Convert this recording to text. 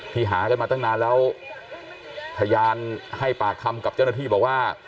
หากันมาตั้งนานแล้วพยานให้ปากคำกับเจ้าหน้าที่บอกว่า